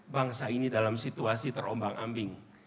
bangsa ini dalam situasi terombang ambing